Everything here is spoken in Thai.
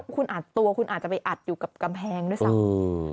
คุณอัดตัวคุณอาจจะไปอัดอยู่กับกำแพงด้วยซ้ำ